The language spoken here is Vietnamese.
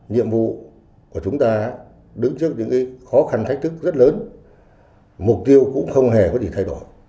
nhiệm vụ của chúng ta đứng trước những khó khăn thách thức rất lớn mục tiêu cũng không hề có gì thay đổi